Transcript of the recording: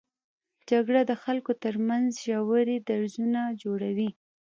جګړه د خلکو تر منځ ژورې درزونه جوړوي